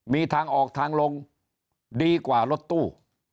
มีทางออกทางลงดีกว่ารถตู้